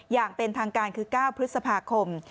อย่างเป็นทางการคือ๙พฤษภาคม